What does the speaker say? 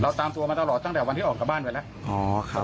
เราตามตัวมาตลอดตั้งแต่วันที่ออกกลับบ้านได้แล้วอ๋อครับ